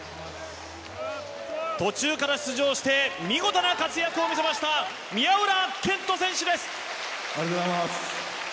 途中から出場して見事な活躍を見せました宮浦健人選手です！